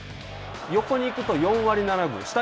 横に行くと４割７分。